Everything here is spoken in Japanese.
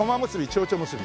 ちょうちょ結び？